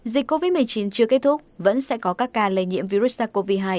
dịch covid một mươi chín chưa kết thúc vẫn sẽ có các ca lây nhiễm virus sars cov hai